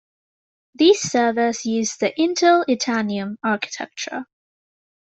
These servers use the Intel Itanium architecture.